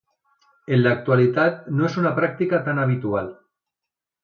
En l'actualitat no és una pràctica tan habitual.